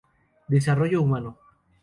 Desarrollo Humano.